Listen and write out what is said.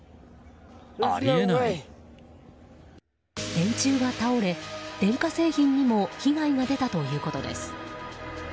電柱が倒れ、電化製品にも被害が出たということです。